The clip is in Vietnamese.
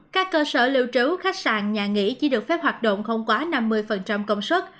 các cơ sở lưu trú khách sạn nhà nghỉ chỉ được phép hoạt động không quá năm mươi công suất